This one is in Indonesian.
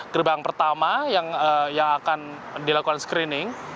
gerbang pertama yang akan dilakukan screening